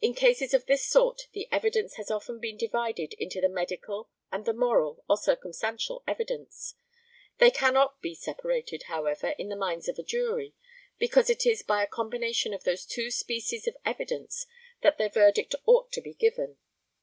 In cases of this sort the evidence has often been divided into the medical, and the moral, or circumstantial evidence. They cannot be separated, however, in the minds of a jury, because it is by a combination of those two species of evidence that their verdict ought to be given.